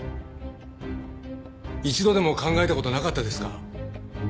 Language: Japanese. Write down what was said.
一度でも考えた事なかったですか？